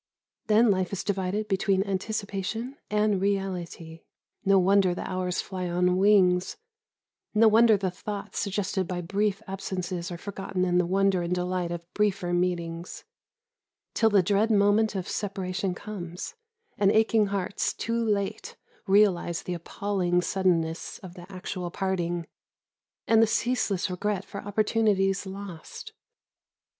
Then life is divided between anticipation and reality. No wonder the hours fly on wings; no wonder the thoughts suggested by brief absences are forgotten in the wonder and delight of briefer meetings, till the dread moment of separation comes, and aching hearts too late realise the appalling suddenness of the actual parting and the ceaseless regret for opportunities lost.